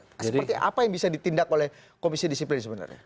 seperti apa yang bisa ditindak oleh komisi disiplin sebenarnya